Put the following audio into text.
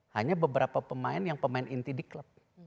hanya beberapa pemain yang pemain inti di klub